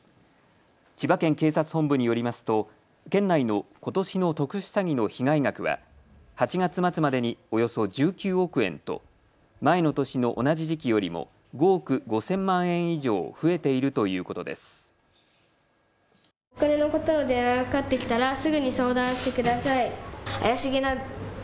千葉県警察本部によりますと県内のことしの特殊詐欺の被害額は８月末までにおよそ１９億円と前の年の同じ時期よりも５億５０００万円以上増えているということです。